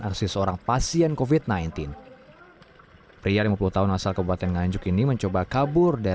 aksi seorang pasien kofit sembilan belas pria lima puluh tahun asal kebuatan nganjuk ini mencoba kabur dari